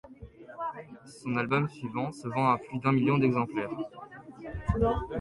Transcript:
Son album suivant se vend à plus d'un million d'exemplaires.